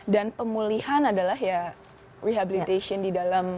dan pemulihan adalah ya rehabilitation di dalam